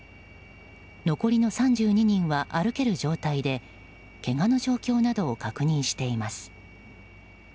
残りの３２人は歩ける状態でけがの状況などを確認しています。